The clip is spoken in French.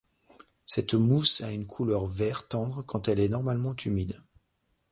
Cette mousse a une couleur vert tendre quand elle est normalement humide.